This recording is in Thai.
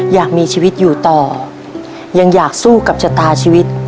อยากมีชีวิตอยู่ต่อยังอยากสู้กับชะตาชีวิต